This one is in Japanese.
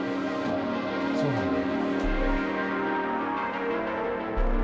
そうなんだよ。